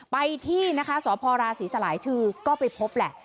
ไปที่นะคะสพราศีสลายชื่อก็ไปพบแหละ